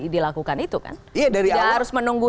dilakukan itu kan tidak harus menunggu